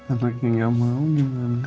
anaknya gak mau